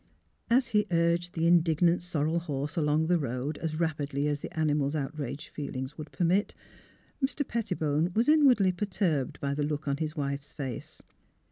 As he urged the indignant sorrel horse along the road as rapidlj^ as the animal's outraged feel ings would permit, Mr. Pettibone was inwardly 276 THE HEART OF PHILURA perturbed by the look on his wife's face.